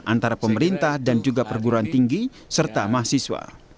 antara pemerintah dan juga perguruan tinggi serta mahasiswa